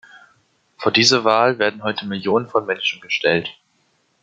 Vor diese Wahl werden heute Millionen von Menschen gestellt.